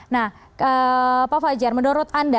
nah pak fajar menurut anda